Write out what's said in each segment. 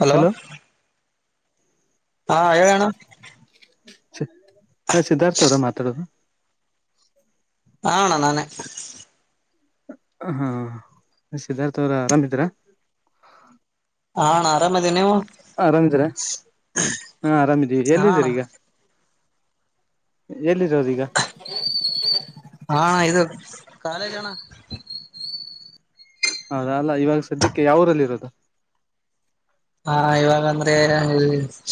hello ಹಾ ಹೇಳ ಅಣ್ಣ ಛೇ ಹ ಸಿದ್ಧಾರ್ಥ ಅವರ ಮಾತಾಡೋದು ಹ ಅಣ್ಣ ನಾನೇ ಹಾ ಹ ಸಿದ್ಧಾರ್ಥ ಅವ್ರ ಆರಾಮಿದೀರ ಹ ಅಣ್ಣ ಆರಾಮದಿನಿ ನೀವು ಆರಾಮಿದೀರ ಹಾ ಆರಾಮಿದೀವಿ ಹ ಅಣ್ಣ ಎಲ್ಲಿದ್ದೀರ ಈಗ ಎಲ್ಲಿರೋದು ಈಗ ಹಾ ಅಣ್ಣ ಇದು ಕಾಲೇಜಣ್ಣ ಹೌದ ಅಲ್ಲ ಇವಾಗ ಸದ್ಯಕ್ಕೆ ಯಾವರಲ್ಲಿ ಇರೋದು ಹಾ ಇವಾಗ ಅಂದ್ರೆ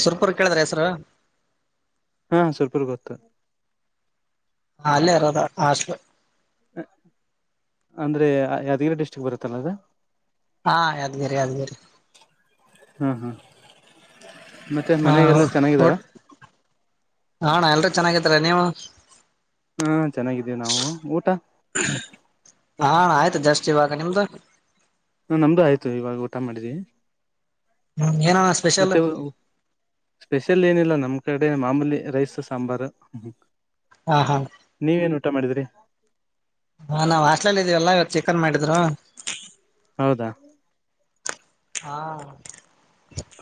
ಸುರ್ಪುರ ಕೇಳಿದ್ರ ಹೆಸರು ಹಾ ಸುರಪುರ ಗೊತ್ತು ಹ ಅಲ್ಲೇ ಇರದ ಹಾಸ್ಪಿಟಲ್ ಅಂದ್ರೆ ಯಾದಗಿರಿ ಡಿಸ್ಟ್ರಿಕ್ ಬರುತ್ತಲ್ಲ ಅದ ಹಾ ಯಾದಗಿರಿ ಯಾದಗಿರಿ ಹ್ಮ ಹ ಹಾ ಅಣ್ಣ ಎಲ್ಲ ಚೆನ್ನಾಗಿತ್ತರ ನೀವು ಹಾ ಚೆನ್ನಾಗಿದ್ದೇವಿ ನಾವು ಊಟ ಹಾ ಅಣ್ಣ ಆಯ್ತು ಜಸ್ಟ್ ಇವಾಗ ನಿಮ್ದು ಹ ನಮ್ದು ಆಯ್ತು ಇವಾಗ ಊಟ ಮಾಡಿದೀವಿ ಹ್ಮ್ ಏನಣ್ಣ ಸ್ಪೆಷಲ್ ಮತ್ತೆ ಸ್ಪೆಷಲ್ ಏನಿಲ್ಲ ನಮ್ಮ್ ಕಡೆ ಮಾಮೂಲಿ ರೈಸ್ ಸಾಂಬಾರು ಹಾ ಹಾ ನೀವೇನ್ ಊಟ ಮಾಡಿದ್ರಿ ಹಾ ನಾವ್ ಹಾಸ್ಟ್ಲಲ್ ಇದೀವಲ್ಲ ಇವಾಗ ಚಿಕನ್ ಮಾಡಿದ್ರು ಹೌದಾ ಹಾ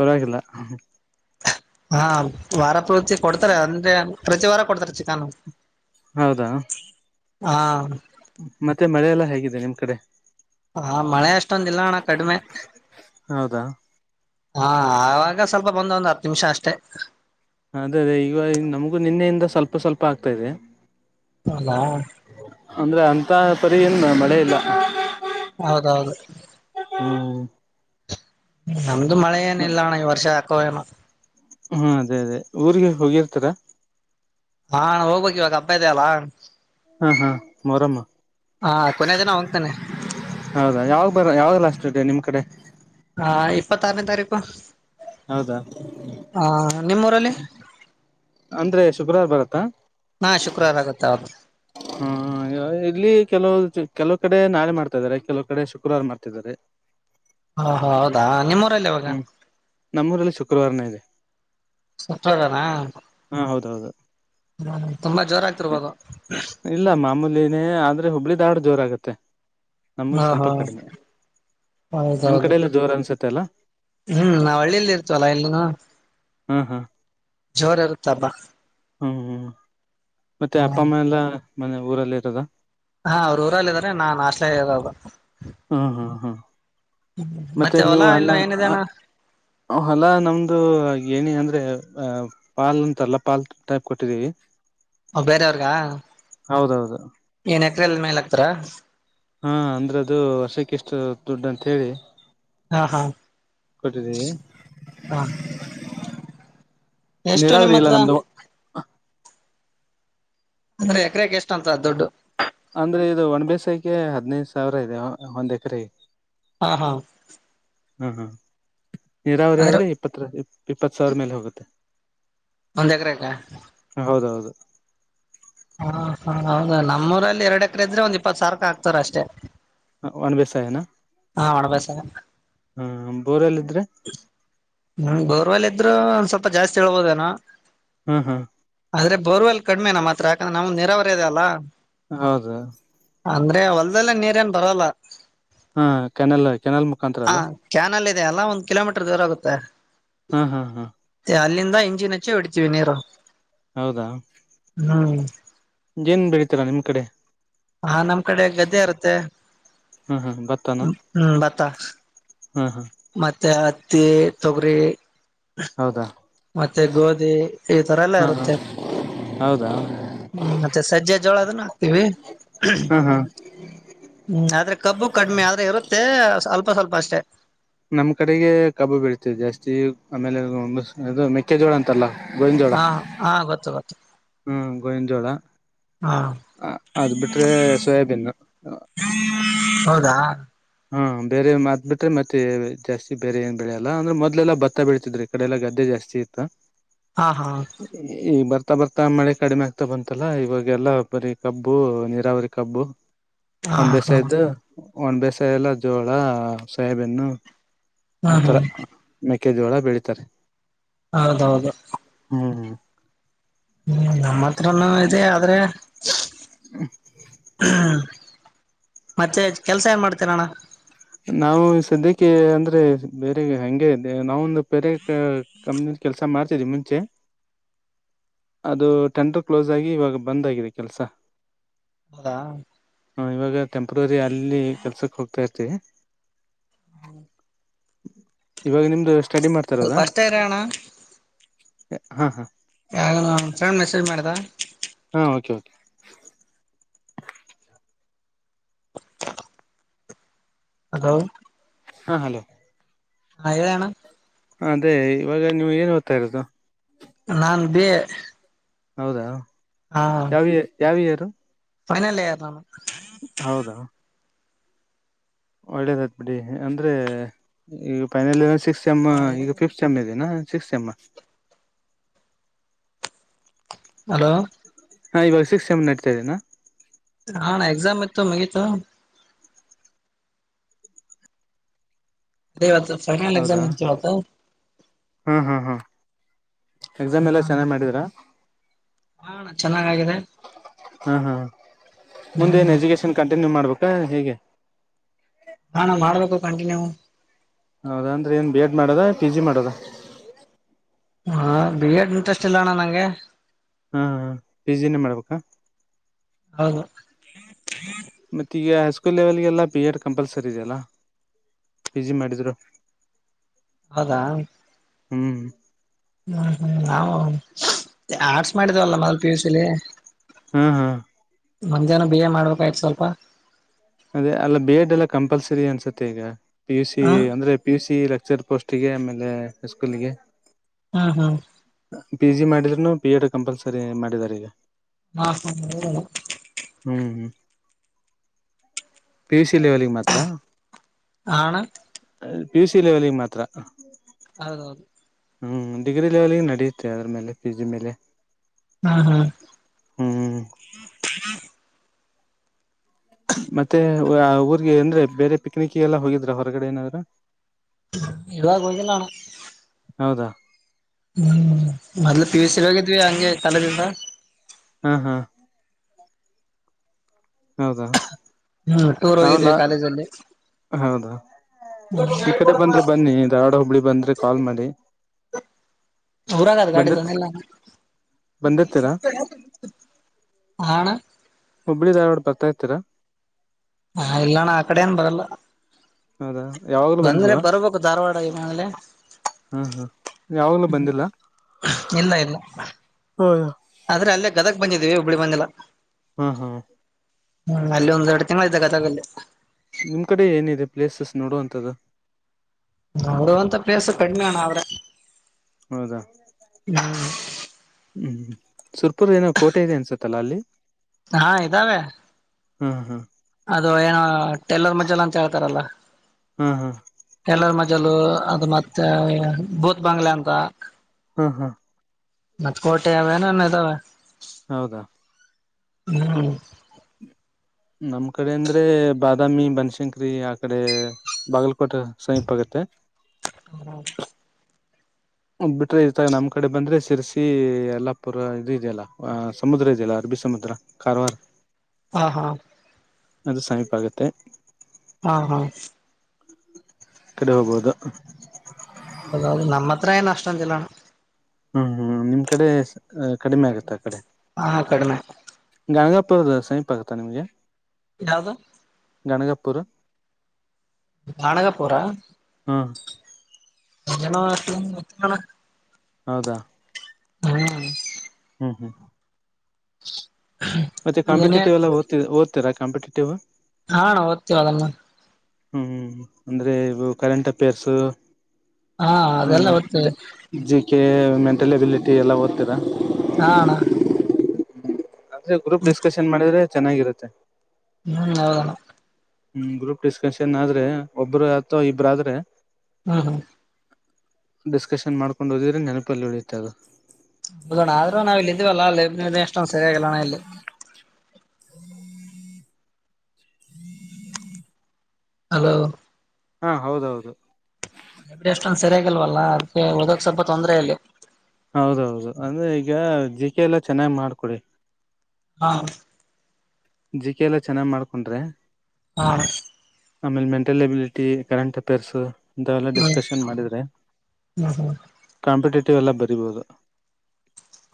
ಊರಾಗಿಲ್ಲ ಹಾ ವಾರಾಪುರ ಕೊಡ್ತಾರೆ ಅಂದ್ರೆ ಪ್ರತಿ ವಾರ ಕೊಡ್ತಾರ ಚಿಕಾನ ಹೌದಾ ಹಾ ಮತ್ತೆ ಮಳೆ ಎಲ್ಲಾ ಹೇಗಿದೆ ನಿಮ್ ಕಡೆ ಹಾ ಮಳೆ ಅಷ್ಟ ಹೌದಾ ಹಾ ಆವಾಗ ಸ್ವಲ್ಪ ಬಂದ ಒಂದ್ ಹತ್ತು ನಿಮಿಷ ಅಷ್ಟೆ ಅದೇ ಅದೇ ಈಗ ನಮಗೂ ನಿನ್ನೆಯಿಂದ ಸ್ವಲ್ಪ ಸ್ವಲ್ಪ ಆಗ್ತಾ ಇದೆ ಹೌದಾ ಅಂದ್ರೆ ಅಂತ ಪರಿ ಏನು ಮಳೆ ಇಲ್ಲ ಹೌದೌದು ಹ್ಮ ಹ್ಮ ನಮ್ದು ಮಳೆ ಏನ ಇಲ್ಲಣ್ಣ ಈ ವರ್ಷ ಕಯಾಮ ಹಾ ಅದೇ ಅದೇ ಊರಿಗೆ ಹೋಗಿರ್ತಾರ ಹಾ ಹೋಗ್ಬೇಕಕ್ ಇವಾಗ ಅಬ್ಬ ಇದದೆ ಅಲ್ಲಾ ಹಾ ಹಾ ಮಾರಮ್ಮ ಹಾ ಕೊನೆ ದಿನ ಹೋಗ್ತೇನೆ ಹೌದಾ ಯಾವಾಗ ಬರ ಯಾವಾಗ ಲಾಷ್ಟ ಇದೆ ನಿಮ್ ಕಡೆ ಹಾ ಇಪ್ಪತ್ತ ಆರನೇ ತಾರೀಕು ಹೌದಾ ಹಾ ನಿಮ್ಮೂರಲ್ಲಿ ಅಂದ್ರೆ ಶುಕ್ರವಾರ ಬರತ್ತಾ ಹಾ ಶುಕ್ರವಾರ ಆಗುತ್ತ ಹೌದು ಹಾ ಇಲ್ಲಿ ಕೆಲವು ಕೆಲವು ಕಡೆ ನಾಳೆ ಮಾಡ್ತಾ ಇದಾರೆ ಕೆಲವ ಕಡೆ ಶುಕ್ರವಾರ ಮಾಡ್ತಿದ್ದಾರೆ ಹಾ ಹಾ ಹೌದಾ ನಿಮ್ಮ ಇಲ್ಲಿ ಯಾವಾಗ ಹ್ಮ್ ನಮ್ಮೂರಲ್ಲಿ ಶುಕ್ರವಾರನೇ ಇದೆ ಸತ್ರದಾನ ಹಾ ಹೌದೌದು ಇಲ್ಲ ಮಾಮೂಲಿನೇ ಆದ್ರೆ ಹುಬ್ಳಿ ದಾಡ್ ಜೋರ ಆಗತ್ತೆ ನಮ್ದು ಹಾ ಸ್ವಲ್ಪ ಹಾ ಕಡಿಮೆ ನಿಮ್ ಹೌದೌದು ಕಡಲ್ಲ ಜೋರ್ ಅನ್ಸತ್ತೆ ಅಲ್ಲ ಹ್ಮ್ ನಾವ್ ಹಳ್ಳಿಯಲ್ಲಿ ಇರ್ತವಲ್ಲಾ ಎಲ್ಲ ಹ್ಮ್ ಹ್ಮ್ ಜೋರ್ ಇರುತ್ತಬ್ಬಾ ಹ್ಮ್ ಹ್ಮ್ ಮತ್ತೆ ಅಪ್ಪ ಅಮ್ಮ ಎಲ್ಲ ಮನೆೆ ಊರಲ್ಲಿ ಇರದ ಹಾ ಅವ್ರು ಊರಲ್ಲಿ ಇದಾರೆ ನಾನ್ ಆಸ್ಟಾಲಾಗಿ ಇಾರೋದು ಹ ಹ ಹ ಮತ್ತೆ ಹೊಲ ನೀವು ಇಲ್ಲ ಅನ್ನ ಏನಿದೆ ಅಣ್ಣ ಹೊಲಾ ನಮ್ದು ಏನಿ ಅಂದ್ರೆ ಅ ಅ ಪಾಲ್ ಅಂತಲ್ಲ ಪಾಲ್ ಟೈಪ್ ಕೊಟ್ಟಿದ್ದೀವಿ ಬೇರೆ ಅವರಿಗೆ ಹೌದೌದು ಇನ ಎಕ್ರೆಲ್ ಮೇಲ್ ಆಗ್ತಾರಾ ಹಾ ಅಂದ್ರೆ ಅದು ವರ್ಷಕ್ಕೆ ಎಷ್ಟು ದುಡ್ಡ ಅಂತ ಹೇಳಿ ಹಾ ಹಾ ಕೊಟ್ಟಿದ್ದೀವೀ ಹ ಎಷ್ಟು ನಿಮ್ಮ ಹತ್ರ ಅಂದ್ರೆ ಎಕರೆಗೆ ಎಷ್ಟಂತ ದೊಡ್ಡು ಅಂದ್ರೆ ಇದು ಒಣ್ ಬೇಸಾಯಕೆ ಹದ್ನೈದು ಸಾವಿರ ಇದೆ ಒಂದ್ ಎಕರೆ ಹಾ ಹಾ ಹ್ಮ ಹಾ ನೀರಾವರಿ ಅಂದ್ರೆ ಆದ್ರೆ ಇಪ್ಪತ್ರರ ಇಪ್ಪತ್ತು ಸಾವಿರ ಮೇಲೆ ಹೋಗುತ್ತೆ ಒಂದ್ ಎಕರೆಕ್ಕ ಹೌದೌದು ಹಾ ಹ ಹೌದ ನಮ್ಮೂರಲ್ಲಿ ಎರಡ್ ಎಕರೆ ಇದ್ರೆ ಒಂದ್ ಇಪ್ಪತ್ ಸಾವಿಕ ಆಗ್ತಾರ ಅಷ್ಟೇ ಹ ಒನ್ ವಷ ಹಾ ಒಡ ಬಸ ಹಾ ಬೋರೆಲ್ಲ ಅ್ರೆ ಹ್ಮ ಗೌರ್ವಲ್ ಇದ್ರು ಒಂದ್ ಸ್ವಲ್ಪ ಜಾಸ್ತಿ ಹೇಳ್ಬೋದೇನ ಹ್ಮ್ ಹ್ಮ್ ಆದ್ರೆ ಬರ್ವೆಲ್ ಕಡಿಮೆ ನಮ್ಮ ಹತ್ರ ಯಾಕಂದ್ರೆ ನಮ್ ನರಾವರಿ ಇ ಅದೆ ಅಲ್ಲ ಹೌದು ಅಂದ್ರೆ ಹೊಲ್ದೆಲ್ಲ ನೀರ ಏನ್ ಬರಲ್ಲ ಹಾ ಕೆನಲ್ ಕೆನಲ್ ಮುಖಾಂತರ ಅಲ್ಲ ಎಲ್ಲಾ ಕಿಲೋಮೀಟರ್ ದೂರ ಆಗುತ್ತೆ ಹ್ಮ ಹಾ ಹಾ ಇಂಜಿನಚ್ಚೇ ವಡಚವಿ ನೀರ ಹೌದಾ ಹ್ಮ್ ಏನ್ ಬೆರೀತರಾ ನಿಮ್ ಕಡೆ ಹಾ ನಮ್ ಕಡೆ ಗದ್ದೆ ಇರುತ್ತೆ ಹ್ಮ್ ಹ್ಮ್ ಬರ್ತಾನ ತ್ತ ಮತ್ತೆ ಂತೆ ತಪರ ಹೌದಾ ಮತ್ತೆ ಗೋಧಿ ಈ ತರ ಎಲ್ಲ ಹಾ ಹಾ ಇರುತ್ತೆ್ಮ ಹೌದಾ ಮತ್ತೆ ಸಜ್ಜೆ ಜೋಳದ ಹ್ಮ ಹಾ ಹಾ ಆದ್ರೆ ಕಬ್ಬು ಕಡಿಮೆ ಆದ್ರೆ ಇರುತ್ತೆ ಸ್ವಲ್ಪ ಸ್ವಲ್ಪ ಅಷ್ಟೇ ನಮ್ ಕಡೆಗೆ ಕಬ್ಬು ಬೀಳ್ತದೆ ಜಾಸ್ತಿ ಆಮೇಲೆ ಅದು ಮೆಕ್ಕೆಜೋಳ ಅಂತಲ್ಲ ಗೋಯಂಜೋಳ ಹಾ ಹಾ ಗೊತ್ತು ಗೊತ್ತು ಹಾಞ ಗೋಯಿಂದಜೋಳ ಹಾ ಅದು ಬಿಟ್ರೆ ಸೋಯಾಬೀನ್ನು ಹೌದಾ ಹಾ ಬೇರೆ ಮತ್ ಬಿಟ್ರೆ ಮತ್ತೆ ಜಾಸ್ತಿ ಬೇರೆ ಏನ್ ಬೆಳೆಯಲ್ಲ ಅಂದ್ರೆ ಮೊದ್ಲೆಲ್ಲಾ ಭತ್ತ ಬೆೀಳ್ತಿದ್ರಿ ಈ ಕಡೆ ಎಲ್ಲಾ ಗದ್ದೆ ಜಾಸ್ತಿ ಇತ್ತ ಹಾ ಹಾ ಬರ್ತ ಬರ್ತಾ ಬರ್ತಾ ಮಳೆ ಕಡಿಮೆ ಆಗ್ತಾ ಬಂತಲ್ಲಾ ಇವಾಗೆಲ್ಲಾ ಬರಿೀ ಕಬ್ಬು ನೀರಾವರಿ ಕಬ್ಬು ಹಾ ಒನ್ ಹಾ ಬೇಸಾಯ್ದು ಒನ್ ಬೆಸ್ ಸ ಎಲ್ಲ ಜೋಳ ಸಾಹೇಬನ್ನು ಹ್ಮ್ ಆತರ ಹ್ಮ್ ಕೆದೋಳ ಬೆಳಿತಾರೆ ಹೌದೌದು ಹ್ಮ್ ಹ್ಮ್ ನಮ್ಮ ಹತ್ರನು ಇದೆ ಆದ್ರೆ ಹ್ಮ ಮತ್ತೆ ಕೆಲ್ಸ ಏನ್ ಮಾಡ್ತೀರ ನಣ್ಣ ನಾವು ಸದ್ಯಕ್ಕೆ ಅಂದರೆ ಬೇರೆ ಹಗೆ ನಾವೊಂದು ಬೇರೆ ಕಂಪ್ನ ಕೆಲಸ ಮಾಡ್ತಿದ್ದವಿ ಮುಂಚೆ ಅದು ಟೆಂಡರ್ ಕ್ಲೋಸ್ ಆಗಿ ಇವಾಗ ಬಂದ್ಗಿದೆ ಕೆಲಸ ಹೌದಾ ಹಾಂ ಇವಾಗ ಟೆಂಪ್ರರಿ ಅಲ್ಲಿ ಕೆಸಕ್ ಹೋಗ್ತಾತಿ ತ್ತ ಹ್ಮ್ ಇವಾಗ ನಿಮ್ದು ಎಷ್ಟ ಪಸ್ಟ್ ರಣ ಹಾ ಹಾ ಮೆಸೇಜ್ ಮಾಡ್ದ ಹಾ ಓಕೆ ಕೆ ಹಲೋ ಹಾ ಹಲೋ ಹ ಡಣ ಅದೇ ಇವಾಗ ನೀವು ಏನ್ ಓದ್ತಾ ಇರೋದು ನಾ ಬ ಹೌದಾ ಯಾವ ಯಾವ ಹ ಫನಲ್ೇ ಆ ನ ನ ಹೌದಾ ಒಳ್ಳೇದತ್ ಬಿಡಿ ಅಂದ್ರೆ ಈಗ ಫೈನಲ್ ಸಿಕ್ ಚೆಮ್ ಈಗ ಫಿಫ್ತ್ ಚೆಮ್ ಇದನಾ ಸಿಕ್ಸ್ಸೆಂಬರ್ ಹಲೋ ಹಾ ಇವಾಗ ಸಿಕ್ಸ್ ಸೆಮನ್ ನಡ್ತಾ ಇದ್ದೀನಾ ಹಾ ಎಕ್ಸಾಮ್ ಇತ್ತು ಮಗತ್ತು ದಯವ ಫೈನಲ್ ಎಕ್ಸಾಮ್ ಇರ್ತವತ ಹ್ಮ್ ಹ್ಮ್ ಹಾ ಎಕ್ಸಾಮ್ ಎಲ್ಲ ಚೆನ್ನಾಗಿ ಮಾಡಿದರಾ ಹಣ ಚೆನ್ನಾಗಾಗಿದೆ ಹಾ ಹಾ ಮುಂದೆ ನ್ ಹ್ಮ್ ಎಜುಗೇಶನ್ ಕ ನೀ ಮಾಡ್ಬೇಕಾ ಹೇಗೆ ಹಾ ನಾ ಮಾಡಬೇಕು ಕಂಟಿನ್ಯೂ ಹೌದಾ ಅಂದ್ರೆ ಏನ್ ಬಿ ಎಡ್ ಮಾಡದ ಪಿ ಜಿ ಮಾಡದ ಹಾ ಬಿ ಎಡ್ ಇಂಟ್ರೆಸ್ಟ್ ಇಲ್ಲ ಅಣ್ಣ ನಂಗೆ ಹಾ ಪಸಿನ ಮಾಡ್ಬೇಕಾ ಹೌದು ಮತ್ತ ಈಗ ಹೈಸ್ಕೂಲ್ ಲೆವೆಲ್ಗೆಲ್ಲ ಪಿ ಎಡ್ ಕಂಪಲ್ಸರಿ ಇದೆಯಲ್ಲ ಪಿ ಜಿ ಮಾಡಿದ್ರು ಹೌದಾ ಹ್ಮ್ ಹ್ಮ್ ಹ್ಮ್ ನಾ ಆರ್ಟ್ಸ್ ಮಾಡಿದ್ವಲ್ಲ ಮೊದಲ್ ಪಿ ಯು ಸಿಲಿ ಹ್ಮ್ ಹ್ಮ್ ಮಜೇನ ಬೇಜ ಮಾಡ್ಬೇಕಾಯ್ತು ಸ್ವಲ್ಪ ಅದೇ ಅಲ್ಲ ಬೇಡ್ ಎಲ್ಲ ಕಂಪಲ್ಸರಿ ಅನ್ಸತ್ತೆ ಈಗ ಪಿಯ ಯು ಸಿ ಹ್ಮ್ ಅಂದ್ರೆ ಪಿ ಯು ಸಿ ಲ ಸರ್ ಪೋಸ್ಟಿಗೆ ಆಮೇಲೆ ಸ್ಕೂಲಿಿಗೆ ಹ್ಮ್ ಹ್ಮ್ ಪಿ ಜಿ ಮಾಡಿದ್ರುನು ಪಿ ಎಡ್ ಕಂಪಲ್ಸರಿ ಮಾಡಿದಿದ್ದಾರೆ ಈಗ ಹಾ ಹ ಹ್ಮ್ ಹ್ಮ್ ಪಿ ಯುಸ ಲೆವೆಲ್ಿಗೆ ಮಾತ್ರ ಆಣ ಪಿ ಯು ಸಿ ಲೆವೆಲ್ಗೆ ಮಾತ್ರ ಹೌದೌದು ಹ್ಮ್ ಡಿಗ್ರಿ ಲೆವೆಲ್ ನಡೆಯುತ್ತೆ ಅದ್ರ ಮೇಲೆ ಪಿ ಜಿ ಮೇಲೆ ಹ್ಮ್ ಹ್ಮ್ ಹಾ ಹ್ಮ್ ಮತ್ತೆ ಊರ್ಗೆ ಅಂದ್ರೆ ಬೇರೆ ಪಿಕ್ನಿಕ್ ಎಲ್ಲ ಹೋಗಿದ್ರ ಹೊರಗಡೆ ಏನಾದ್ರೂ ಇದುಗೋಜಲ್ಲಣ ಹೌದಾ ಹ್ಮ್ ಮೊ್ಲು ಪಿ ಯು ಸಿ ಹೋಗಿದ್ವಿ ಹಂಗೆ ತಾಲ ಜಾ ಹಾ ಹಾ ಹೌದಾ ಹ್ಮ್ ಟೂರ್ ನಾವೆಲ್ಲ ಹೋಗಿದ್ವಿ ಕಾಲೇಜಲ್ಲಿ ಹೌದಾ ಈ ಕಡೆ ಬಂದ್ರೆ ಬನ್ನಿ ಧಾರವಾಡ ಹುಬ್ಳಿ ಬಂದ್ರೆ ಕಾಲ್ ಮಾಡಿ ಊರಾಗದು ಗಾಡಿ ಬಂದಿರ್ತ್ ತಲ್ಲ ಬಂದಿರ್ತೀರಾ ಹಣ ಹುಬ್ಬಳಿ ದಾರ್ೋಡ್ ಬರ್ತಾ ಇತೀರಾ ಹಾ ಇಲ್ಲಣ್ಣ ಆ ಕಡೆ ಏನ್ ಬರಲ್ಲ ಹೌದಾ ಯಾವಾಗ್ಲೂ ಬಂದ್ರೆ ಬಂದಿಲ್ವಾ ಬರ್ಬೇಕು ಧಾರವಾಡ ಮಲೆ್ಮ ಇಲ್ಲ ಹಾ ಹಾ ಯಾವಾಗ್ಲೂ ಬಂದಿಲ್ಲ ಇಲ್ಲ ಹಾ ಆದ್ರೆ ಅಲ್ಲೇ ಗದಕ್ ಬಂದಿದೀವಿ ಬ್ಳಿ ಬಂದಿಲ್ಲ ಹಾ ಹಾ ಹ್ಮ್ ಅಲ್ಲಿ ಒಂದ ಎಡತತತಾಗಲ್ಲ ನಿಮ್ ಕಡೆ ಏನಿದೆ ಪ್ಲೇಸಸ್ ನೋಡೋ ಅಂಥದ್ದು ಅವರು ಅಂತ ಪ್ಲೇಸ್ ಕಡಿ್ಮೆ ಅಣ್ಣ ಅವ್ರ ಹೌದಾ ಹಾ ಹ್ಮ್ ಸುರ್ಪುರ್ ಏನೋ ಕೋಟೆ ಇದೆ ಅನ್ಸತ್ತಲ್ಲ ಅಲ್ಲಿ ಹಾ ಇದ್ದಾವೆ ಹ್ಮ್ ಹ್ಮ್ ಅದು ಏನ ಟೇಲರ್ ಮಜೆಲ್ಲ ಅಂತ ಹೇಳ್ತಾರಲ್ಲ ಹ್ಮ ಹಾ ಲು ಅದು ಮತ್ತೆ ಭೂತ್ ಬಂಗ್ಲೆ ಅಂತ ಹ್ಮ್ ಹ್ಮ್ ಮತ್ತ್ ಕೋಟೆ ಯಾವನನ್ ಇದಾವ ಹೌದಾ ಹ್ಮ್ ನಮ್ ಕಡೆ ಅಂದ್ರೆ ಬಾದಾಮಿ ಬನಶಂಕರಿ ಆ ಕಡೆ ಬಾಗಲ ಕೊಟ್ಟ ಸಮೀಪ ಆಗತ್ತೆ ಬಿಟ್ರೆ ಈತಾಗ ನಮ್ಮ್ ಕಡೆ ಬಂದ್ರೆ ಸಿರಸಿ ಅಲ್ಲಾಪುರ ಇದದು ಇದೆಯಲ್ಲ ಸಮುದ್ರ ಇದೆಯಲ್ಲ ಅರಬಿ ಸಮುದ್ರ ಕಾರವಾರ್ ಹಾ ಹಾ ಅದು ಸಮೀಪ ಆಗತ್ತೆ ಹಾ ಹಾ ಕಡೆ ಹೋಗೋದು ಂಜಲ ಹ್ಮ್ ಹ್ಮ್ ನಿಮ್ ಕಡೆ ಕಡಿಮೆ ಆಗತ್ತೆ ಆ ಕಡೆ ಹಾ ಕಡಿಮೆ ಗ ಇಪ್ಪ ಸ ಪತಾ ನಿಮಗೆ ಯಾವದ ಗನಗಪೂರ್ ಕಾನಗಪೂರಾ ಹ್ಮ್ ಹ ಮತ್ತಣ ಹೌದಾ ಹ್ಮ ಹ್ಮ್ ಹ್ಮ್ [inaudible] ಮತ್ತೆ ಅದೇನೇ ಕಂಪಿಟೇಟಿವ್ ಎಲ್ಲ ತರ ಕಾಂಪಿಟೇಟಿವ್ ಹಣ ಓದ್ತೀವಿ ಅದಲ್ಲ ಹ್ಮ್ ಅಂದ್ರೆ ಇವು ಕರೆಂಟ್ ಅಫೇರ್ಸ್ ಹಾ ಮ ಅದೆಲ್ಲ ಓದ್ತೀವಿ ಜಕ್ಕೆ ಮೆಂಟಲ್ ಎಬಿಲಿಟಿ ಎಲ್ಲ ಓದತೀರಾ ಹಾಣಾ ಅದ್ರ ಗ್ರೂಪ್ ಡಿಸ್ಕಶನ್ ಮಾಡಿದ್ರೆ ಚೆನ್ನಾಗಿರುತ್ತೆ ಹ್ಮ ನದಣ ಹ್ಮ್ ಗ್ರೂಪ್ ಡಿಸ್ಕಷನ್ ಆದ್ರೆ ಒಬ್ಬರು ಅಥವಾ ಇಬ್ರ ಆದ್ರೆ ಹ್ಮ ಹಾ ಡಿಸ್ಕಷನ್ ಮಾಡ್ಕೊಂಡು ಹಓದಿದ್ರೆ ನೆನಪಲ್ಲಿ ಉಳತ ಅದು ಹೌದಣ ಆದ್ರ ನಾವವು ಇಲ್ಲಿ ಇದೀವಲ್ಲ ಅಲ್ಲಿ ಎಷ್ಟೊಂದ ಸರಿಯಾಗಿಲ್ಲಣ ಇಲ್ಲಿ ಹ್ಮ ಹಲೋ ಹಾ ಹೌದೌದು ಎಬ್ರ ಅಷ್ಟೊಂದ ಸರಿಯಾಗಿಲ್ವಲ್ಲ ಅದಕ್ಕೆ ಓದಕ್ಸವಬ ತೊಂದ್ರೆ ಇಲ್ಲಿ ಹೌದೌದು ಅಂದ್ರೆ ಈಗ ಜ ಕೆ ಎಲ್ಲ ಚೆನ್ನಾಗಿ್ ಮಾಡ್ಕೊಡಿ ಹಾ ಜಿಕೆ ಎಲ್ಲಾ ಚೆನ್ನಾಗ್ ಮಾಡ್ಕೊಂಡ್ರೆ ಹಾ ಆಮೇಲೆ ಮೆಂಟಲ್ ಎಬಿಲಿಟಿ ಕರೆಂಟ್ ಅಫೇರ್ಸ್ ಇಂತ ಎಲ್ಲ ಡಿಸ್ಕಷನ್ ಹ್ಮ್ ಮಾಡಿದ್ರರೆ ಹ್ಮ್ ಕಾಂಪಿಟ ಲ್ಲ ಬರಿಬಹುದು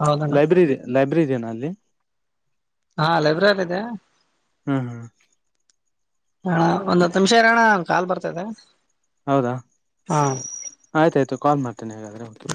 ಹೌದಣ್ಣ ಲೈಬ್ರೆರಿ ಲೈಬ್ರೆರಿ ೀನ ಅಲ್ಲಿ ಹಾ ಅಲ್ಲಬ್ರ ಹ್ಮ ಹಾ ಹಣ ಒಂದ ಹತ್ತು ನಿಮಿಷ ಇರೋಣ್ಣ ಕಾ ಬರ್ತ ಹತದಾ ಹೌದಾ ಆಯ್ತ ಆಯ್ತು ಕಾಲ್ ಮಾಡ್ತೇನೆ ಹಾಗೇಾದ್ರೆ ಹೌದು